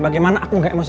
bagaimana aku gak emosi